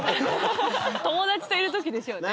友達といるときでしょうね。